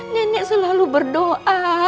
nenek selalu berdoa